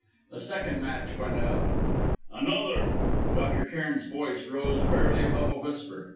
The second match went out. "Another " Dr. Cairn's voice rose barely above a whisper.